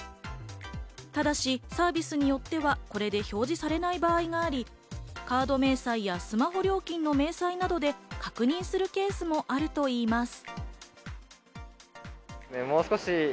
ただしサービスによっては、これで表示されない場合があり、カード明細やスマホ料金の明細などで確認するケースもあるといいます。